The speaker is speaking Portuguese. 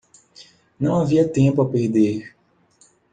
Não havia tempo a perder.